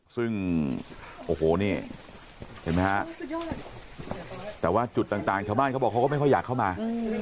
ซึ่งโอ้โหนี่เห็นไหมฮะแต่ว่าจุดต่างชาวบ้านเขาบอกเขาก็ไม่ค่อยอยากเข้ามา